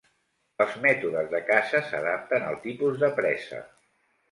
Els mètodes de caça s'adapten al tipus de presa.